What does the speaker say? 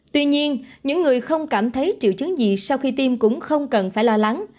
tuy nhiên những người không cảm thấy triệu chứng gì sau khi tiêm cũng không cần phải lo lắng